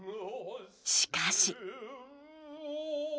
しかし。